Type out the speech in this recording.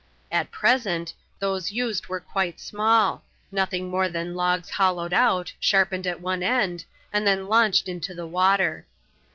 At present, those used are quite small ; nothing more than logs hollowed out, sharpened at one end, and then launched into the water.